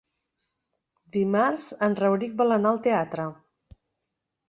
Dimarts en Rauric vol anar al teatre.